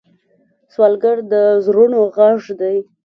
سوالګر د زړونو غږ دی